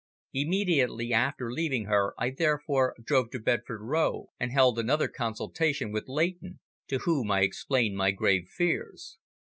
Immediately after leaving her I therefore drove to Bedford Row and held another consultation with Leighton, to whom I explained my grave fears.